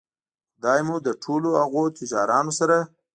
خدای مو له ټولو هغو تجارانو سره